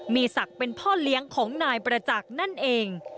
มีศักดิ์เป็นพ่อเลี้ยงของนายประจักษ์นั่นเอง